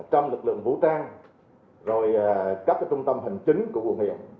trong lực lượng vũ trang rồi các trung tâm hành chính của vụ nghiệp